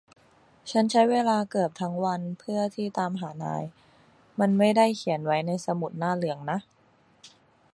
ฉันใช้เวลาเกือบทั้งวันเพื่อนที่ตามหานาย มันไม่ได้เขียนไว้ในสมุดหน้าเหลืองนะ